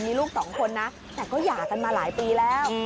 มีลูกสองคนนะแต่ก็หย่ากันมาหลายปีแล้ว